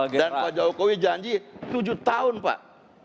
dan pak jokowi janji tujuh tahun pak